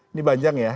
ini panjang ya